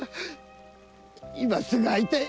今すぐ会いたい！